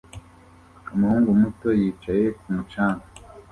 umuhungu muto yicaye ku mucanga